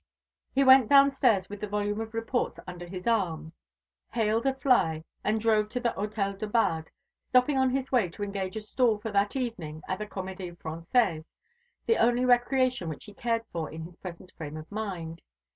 He went down stairs with the volume of reports under his arm, hailed a fly, and drove to the Hôtel de Bade, stopping on his way to engage a stall for that evening at the Comédie Française, the only recreation which he cared for in his present frame of mind.